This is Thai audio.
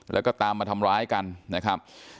แล้วก็ตามมาทำร้ายกันนะครับ